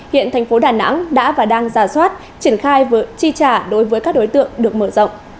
hiện thành phố đà nẵng đã và đang giả soát triển khai chi trả đối với các đối tượng được mở rộng